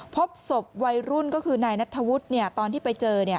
พบศพวัยรุ่นก็คือนายนัทธวุฒิตอนที่ไปเจอเนี่ย